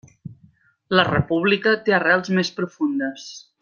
La república té arrels més profundes.